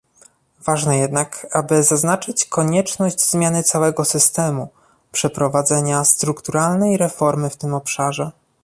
Ważne jednak, aby zaznaczyć konieczność zmiany całego systemu, przeprowadzenia strukturalnej reformy w tym obszarze